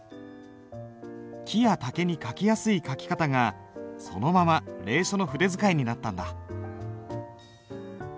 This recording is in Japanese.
木や竹に書きやすい書き方がそのまま隷書の筆使いになったんだ。